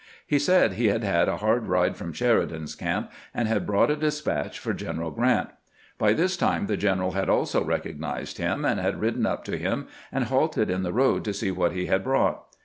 He said he had had a hard ride from Sheridan's camp, and had brought a despatch for G en eral Grrant. By this time the general had also recog nized him, and had ridden up to him and halted in the road to see what he had brought.